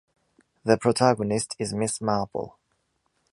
The protagonist is Miss Marple.